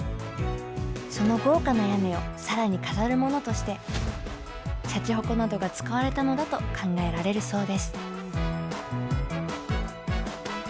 その豪華な屋根を更に飾るものとしてしゃちほこなどが使われたのだと考えられるそうです。